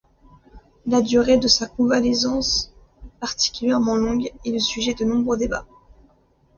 La durée de sa convalescence, particulièrement longue, est le sujet de nombreux débats.